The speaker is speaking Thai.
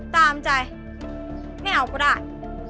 ตามใจไม่เอาก็ได้